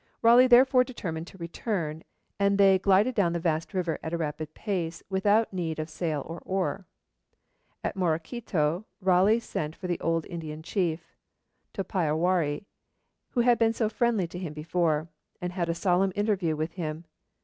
Raleigh therefore determined to return, and they glided down the vast river at a rapid pace, without need of sail or oar. At Morequito, Raleigh sent for the old Indian chief, Topiawari, who had been so friendly to him before, and had a solemn interview with him.